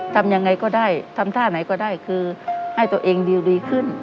ทำยังไงก็ได้ทำท่าไหนก็ได้คือให้ตัวเองดีลดีขึ้น